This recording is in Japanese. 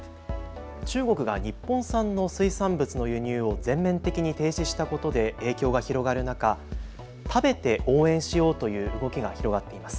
中国が日本産の水産物の輸入を全面的に停止したことで影響が広がる中、食べて応援しようという動きが広がっています。